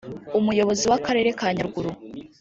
Umuyobozi w’Akarere ka Nyaruguru